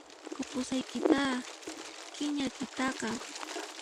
Qupushaykitáq qinaykitaqá